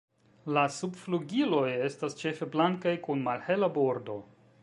La subflugiloj estas ĉefe blankaj kun malhela bordo.